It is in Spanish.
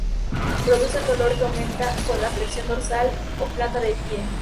Producen dolor que aumenta con la flexión dorsal o plantar del pie.